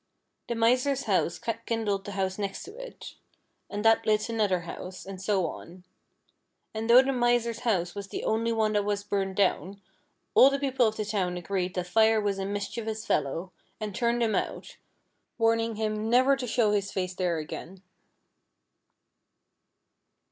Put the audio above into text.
The Miser's house kindled the house next it, and that lit another house, and so on ; and though the Miser's house was the only one that was burned down, all the people of the town agreed that Fire was a mischievous fellow, and turned him out, warning him never to show his face there again.